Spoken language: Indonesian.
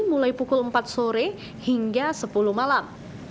mulai pukul empat sore hingga sepuluh malam